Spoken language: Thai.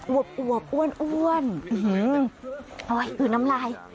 อวบอวบอ้วนอ้วนอื้งน้ำลาย